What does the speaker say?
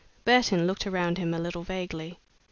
Burton looked around him a little vaguely.